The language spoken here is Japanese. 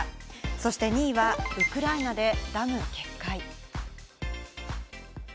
そして２位は、ウクライナでダム決壊。